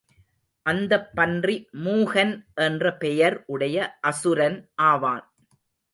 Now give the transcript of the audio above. அந்தப் பன்றி மூகன் என்ற பெயர் உடைய அசுரன் ஆவான்.